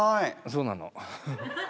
そうなの。